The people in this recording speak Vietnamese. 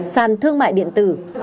sàn thương mại điện tử